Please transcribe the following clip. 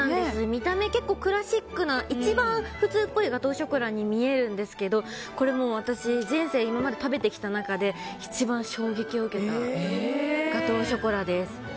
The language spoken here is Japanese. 見た目、結構クラシックな一番普通っぽいガトーショコラに見えるんですがこれ、私人生今まで食べてきた中で一番衝撃を受けたガトーショコラです。